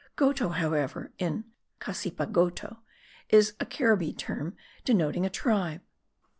Goto, however, in Cassipa goto, is a Caribbee term denoting a tribe.)